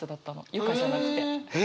「由佳」じゃなくて。